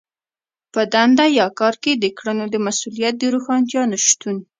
په دنده يا کار کې د کړنو د مسوليت د روښانتيا نشتون.